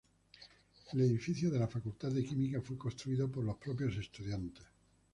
El edificio de la Facultad de Química fue construido por los propios estudiantes.